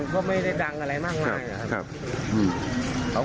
ขอดึงเขา